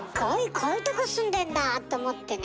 こういうとこ住んでんだ」と思ってね